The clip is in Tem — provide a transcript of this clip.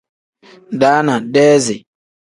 Daana pl: deezi n.